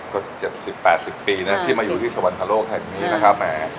ก็๗๐๘๐ปีนะที่มาอยู่ที่สวรรคโลกแห่งนี้นะครับแหม